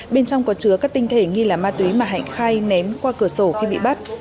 bên trong có chứa các tinh thể nghi là ma túy mà hạnh khai ném qua cửa sổ khi bị bắt